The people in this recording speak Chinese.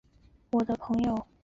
元仁宗延佑六年。